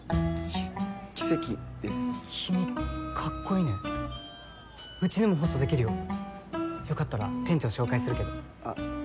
キキセキです君カッコいいねうちでもホストできるよよかったら店長紹介するけどあ